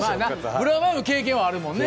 ブラマヨも経験はあるもんね